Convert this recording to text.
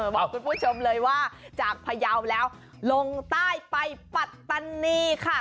บอกคุณผู้ชมเลยว่าจากพยาวแล้วลงใต้ไปปัตตานีค่ะ